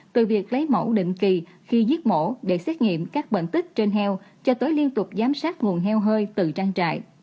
từ việc lấy mẫu định kỳ khi giết mổ để xét nghiệm các bệnh tích trên heo cho tới liên tục giám sát nguồn heo hơi từ trang trại